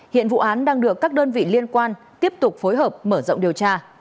hiện vụ án đang được các đơn vị liên quan tiếp tục phối hợp mở rộng điều tra